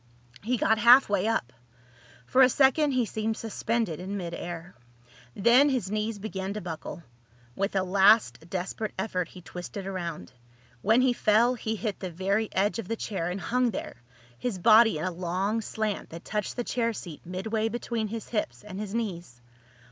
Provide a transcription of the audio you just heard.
He got halfway up. For a second he seemed suspended in mid air. Then his knees began to buckle. With a last desperate effort he twisted around. When he fell he hit the very edge of the chair and hung there, his body in a long slant that touched the chair seat midway between his hips and his knees.